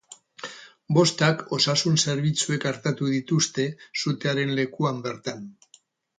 Bostak osasun zerbitzuek artatu dituzte sutearen lekuan bertan.